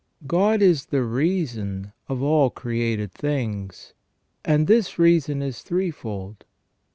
God is the reason of all created things, and this reason is three fold.